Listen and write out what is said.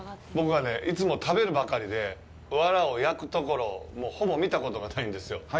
僕はいつも食べるばかりで藁を焼くところをほぼ見たことがないんですよ。